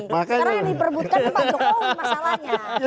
sekarang yang diperbutkan pak jokowi masalahnya